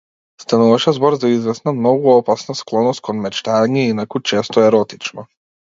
Стануваше збор за извесна многу опасна склоност кон мечтаење, инаку често еротично.